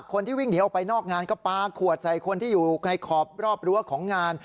คนที่วิ่งหนีออกไปนอกงานก็ปลาขวดใส่คนที่อยู่ในขอบรอบรั้วของงาน